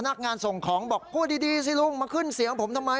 นักงานส่งของบอกพูดดีสิลุงมาขึ้นเสียงผมทำไม